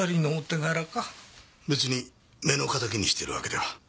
別に目の敵にしているわけでは。